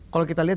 kalau kita lihat